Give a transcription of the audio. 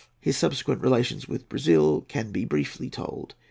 His subsequent relations with Brazil can be briefly told.